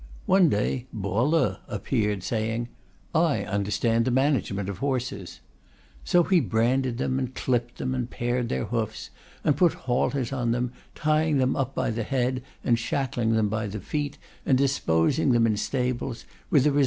One day Po Lo appeared, saying: "I understand the management of horses." So he branded them, and clipped them, and pared their hoofs, and put halters on them, tying them up by the head and shackling them by the feet, and disposing them in stables, with the result that two or three in every ten died.